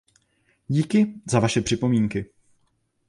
Díky za Vaše připomínky.